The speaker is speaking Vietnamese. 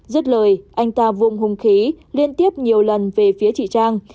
rất lời anh ta vùng hung khí liên tiếp nhiều lần về phía chị trang